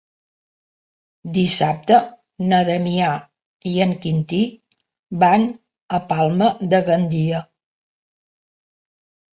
Dissabte na Damià i en Quintí van a Palma de Gandia.